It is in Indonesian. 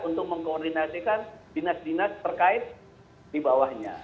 untuk mengkoordinasikan dinas dinas terkait di bawahnya